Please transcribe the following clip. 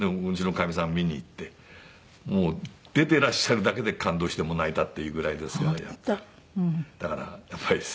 うちのかみさん見に行ってもう出ていらっしゃるだけで感動して泣いたっていうぐらいですからやっぱり。